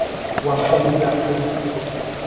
Guahu ryapu.